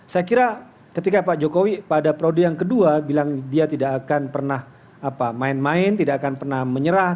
saya kira ketika pak jokowi pada periode yang kedua bilang dia tidak akan pernah main main tidak akan pernah menyerah